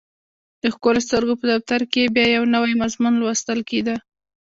د ښکلو سترګو په دفتر کې یې بیا یو نوی مضمون لوستل کېده